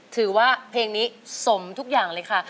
ถือว่าเพลงนี้สมทุกอย่างเลยค่ะ